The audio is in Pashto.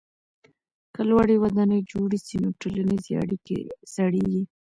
که لوړې ودانۍ جوړې سي نو ټولنیزې اړیکې سړېږي.